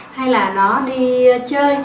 hay là nó đi chơi